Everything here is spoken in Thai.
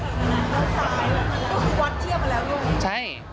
หน้าซ้ายเราเหมือนกันวัดเที่ยวมาแล้วหรือเปล่าใช่